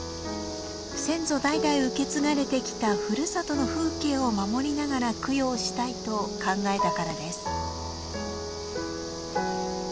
先祖代々受け継がれてきたふるさとの風景を守りながら供養したいと考えたからです。